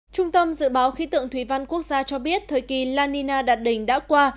trung tâm dự báo khí tượng thủy văn quốc gia cho biết thời kỳ la nina đạt đỉnh đã qua